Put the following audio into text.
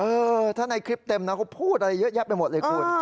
เออถ้าในคลิปเต็มนะเขาพูดอะไรเยอะแยะไปหมดเลยคุณ